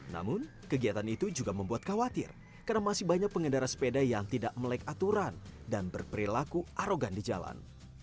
namun kegiatan itu juga membuat khawatir karena masih banyak pengendara sepeda yang tidak melek aturan dan berperilaku arogan di jalan